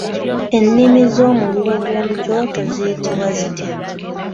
Ennimi z'omuliro gw'omu kyoto ziyitibwa zitya?